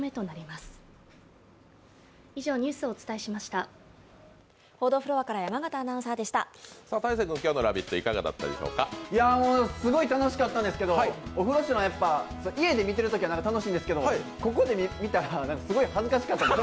すごい楽しかったですけど、オフロシュラン、家で見てるときは楽しいんですけどここで見たらすごい恥ずかしかったです。